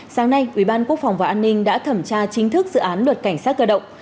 sáng nay ủy ban quốc phòng và an ninh đã thẩm tra chính thức dự án luật cảnh sát cơ động